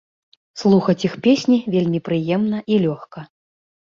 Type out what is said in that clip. Слухаць іх песні вельмі прыемна і лёгка.